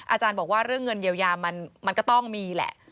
อาจารย์บอกว่าเรื่องเงินเยียวยามันก็ต้องมีแหละ